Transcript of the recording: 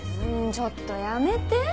ちょっとやめて。